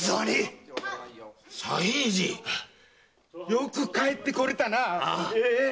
よく帰ってこれたなあ！